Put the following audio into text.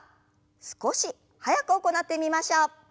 少し速く行ってみましょう。